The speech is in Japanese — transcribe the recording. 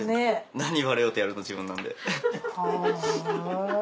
何言われようとやるのは自分なんで。